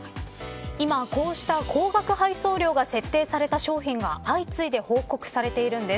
今、こうした高額配送料が設定された商品が相次いで報告されているんです。